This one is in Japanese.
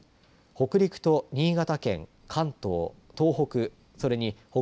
北陸と新潟県、関東、東北